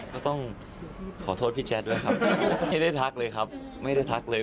ก็ต้องขอโทษพี่แจ๊ดด้วยครับไม่ได้ทักเลยครับไม่ได้ทักเลย